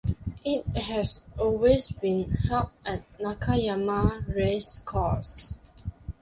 It has always been held at Nakayama Racecourse.